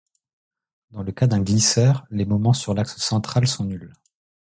Dans le cas d'un glisseur, les moments sur l'axe central sont nuls.